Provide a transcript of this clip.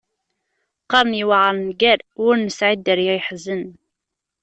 Qqaren yewεer nnger, w’ur nesεi dderya yeḥzen.